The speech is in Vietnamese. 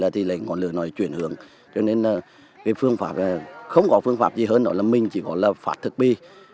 thì ngọn lửa nó chuyển hướng cho nên không có phương pháp gì hơn nữa là mình chỉ có là phát thực bi